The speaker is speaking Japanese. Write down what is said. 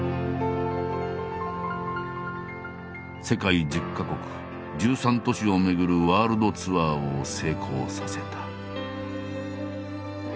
世界１０か国１３都市を巡るワールドツアーを成功させた。